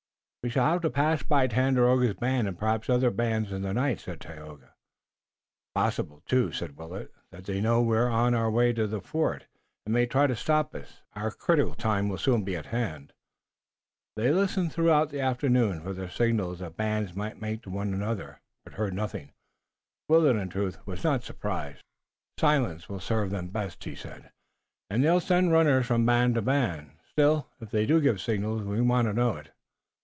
"We shall have to pass by Tandakora's band and perhaps other bands in the night," said Tayoga. "It's possible, too," said Willet, "that they know we're on our way to the fort, and may try to stop us. Our critical time will soon be at hand." They listened throughout the afternoon for the signals that bands might make to one another, but heard nothing. Willet, in truth, was not surprised. "Silence will serve them best," he said, "and they'll send runners from band to band. Still, if they do give signals we want to know it."